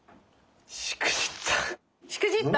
しくじった？